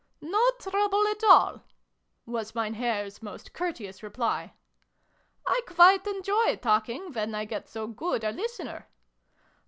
"" No trouble at all !" was Mein Herr's most courteous reply. " I quite enjoy talking, when I get so good a listener.